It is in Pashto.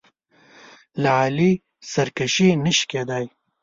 له علي سرکشي نه شي کېدای.